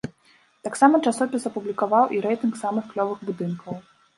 Таксама часопіс апублікаваў і рэйтынг самых клёвых будынкаў.